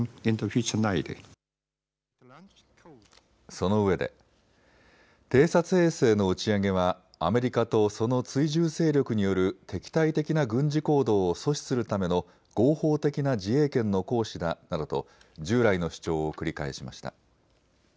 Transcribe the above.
そのうえで偵察衛星の打ち上げはアメリカとその追従勢力による敵対的な軍事行動を阻止するための合法的な自衛権の行使だなどと従来の主張を繰り返しました。